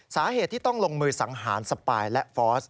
สาเหตุที่ต้องลงมือสังหารสปายและฟอส